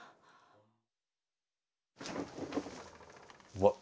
うわっ！